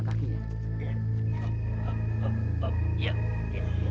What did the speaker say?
kita pergi dulu